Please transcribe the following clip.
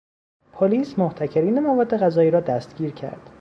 پلیس، محتکرین مواد غذایی را دستگیر کرد